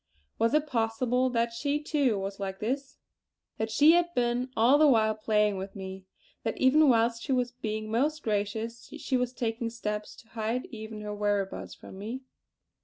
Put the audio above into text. Was it possible that she too was like this; that she had been all the while playing with me; that even whilst she was being most gracious, she was taking steps to hide even her whereabouts from me?